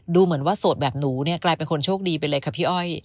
ดูเหมือนว่าโสดแบบหนูเนี่ยกลายเป็นคนโชคดีไปเลยค่ะพี่อ้อย